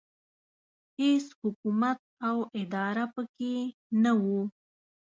هېڅ حکومت او اداره پکې نه وه.